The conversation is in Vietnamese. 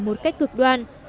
một cách cực đoan